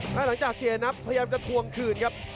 แล้วหลังจากเสียนับพยายามจะทวงคืนครับ